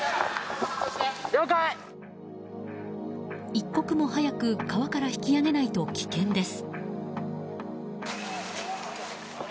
一刻も早く川から引き揚げないと危険です。